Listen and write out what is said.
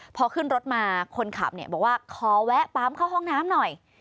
พอขึ้นรถมาคนขับเนี่ยบอกว่าขอแวะปั๊มเข้าห้องน้ำหน่อย